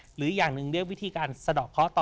หรืออย่างหนึ่งเรียกวิธีการสะดอกเคาะต่อ